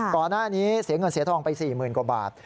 ก่อนหน้านี้เสียเงินเสียทองไป๔๐๐๐กว่าบาท